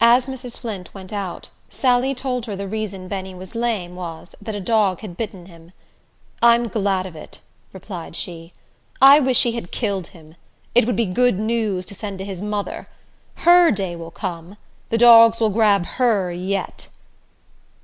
As Mrs. Flint went out, Sally told her the reason Benny was lame was, that a dog had bitten him. "I'm glad of it," replied she. "I wish he had killed him. It would be good news to send to his mother. Her day will come. The dogs will grab her yet."